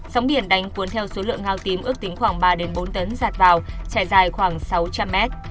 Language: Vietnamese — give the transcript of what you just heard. sóng biển đánh cuốn theo số lượng ngao tím ước tính khoảng ba bốn tấn giạt vào trải dài khoảng sáu trăm linh mét